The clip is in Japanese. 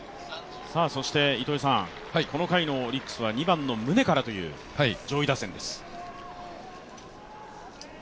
この回のオリックスは２番の宗からという上位打線です。